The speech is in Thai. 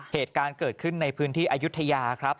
เหตุการณ์เกิดขึ้นในพื้นที่อายุทยาครับ